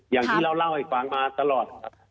อย่างที่เราเล่าให้ฟังมาตลอดครับ